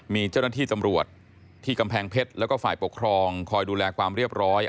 มีเจ้าหน้าที่ตำรวจที่กำแพงเพชรแล้วก็ฝ่ายปกครองคอยดูแลความเรียบร้อย